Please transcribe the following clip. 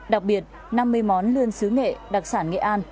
đặc biệt năm mươi món lươn xứ nghệ đặc sản nghệ an